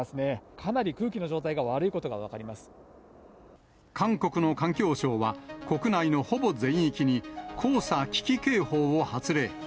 かなり空気の状態が悪いことが分韓国の環境省は、国内のほぼ全域に、黄砂危機警報を発令。